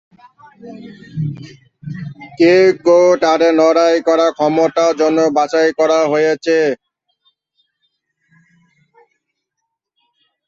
কেউ কেউ তাদের লড়াই করার ক্ষমতার জন্য বাছাই করা হয়েছে।